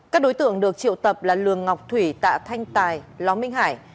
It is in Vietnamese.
các đối tượng được triệu tập là lường ngọc thủy tạ thanh tài ló minh hải